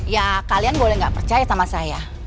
ya kalian boleh nggak percaya sama saya